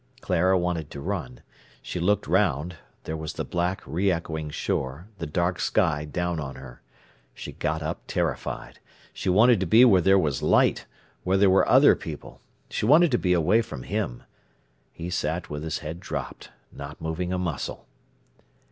Clara wanted to run. She looked round. There was the black, re echoing shore, the dark sky down on her. She got up terrified. She wanted to be where there was light, where there were other people. She wanted to be away from him. He sat with his head dropped, not moving a muscle.